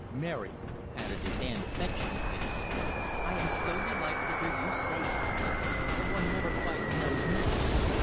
Mary patted his hand affectionately. "I am so delighted to hear you say that. But one never quite knows men.